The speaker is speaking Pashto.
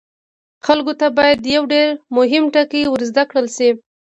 خلکو ته باید یو ډیر مهم ټکی ور زده کړل شي.